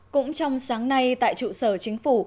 cũng trong sáng nay tại trụ sở chính phủ